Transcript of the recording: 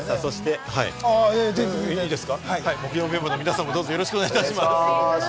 そして木曜メンバーの皆さんもどうぞよろしくお願いします。